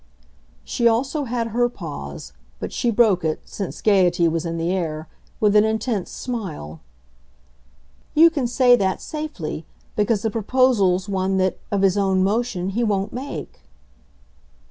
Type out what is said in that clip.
She also had her pause, but she broke it since gaiety was in the air with an intense smile. "You can say that safely, because the proposal's one that, of his own motion, he won't make."